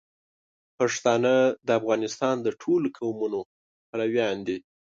پښتانه د افغانستان د ټولو قومونو پلویان دي.